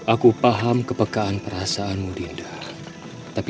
aku paham kepekaan perasaanmu dinda tapi